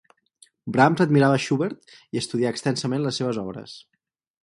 Brahms admirava Schubert i estudià extensament les seves obres.